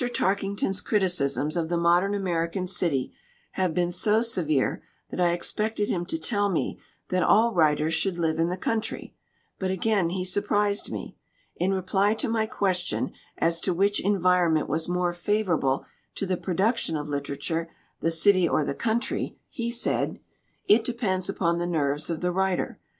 Tarkington's criticisms of the modern American city have been so severe that I expected him to tell me that all writers should live in the country. But again he surprised me. In reply to my question as to which environment was more favorable to the production of literature, the city or the country, he said: "It depends upon the nerves of the writer.